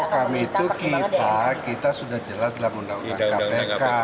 kami itu kita sudah jelas dalam undang undang kpk